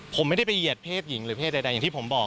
ผมไม่ได้ไปเหยียดเพศหญิงหรือเพศใดอย่างที่ผมบอก